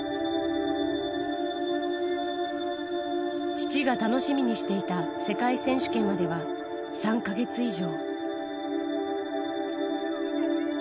父が楽しみにしていた世界選手権までは３か月以上。